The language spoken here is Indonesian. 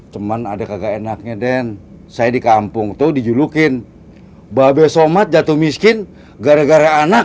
cuman ada kakak enaknya den saya di kampung tuh dijulukin babe somat jatuh miskin gara gara anak